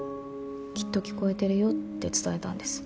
「きっと聞こえてるよ」って伝えたんです。